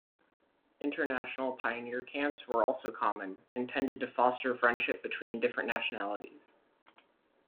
International pioneer camps were also common, intended to foster friendship between different nationalities.